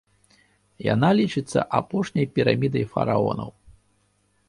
Яна лічыцца апошняй пірамідай фараонаў.